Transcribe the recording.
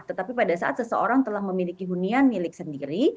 tetapi pada saat seseorang telah memiliki hunian milik sendiri